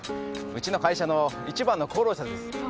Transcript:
うちの会社の一番の功労者です。